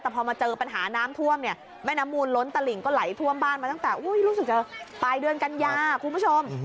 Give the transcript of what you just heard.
แต่พอมาเจอปัญหาน้ำท่วมเนี่ยแม่น้ำมูลล้นตลิ่งก็ไหลท่วมบ้านมาตั้งแต่รู้สึกจะปลายเดือนกันยาคุณผู้ชม